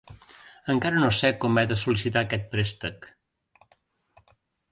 Encara no sé com he de sol·licitar aquest préstec.